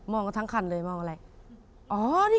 มองก็ทั้งคันเลยมองว่าอะไร